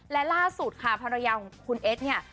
และล่าสุดค่ะภรรยาของคุณเอสเนี่ย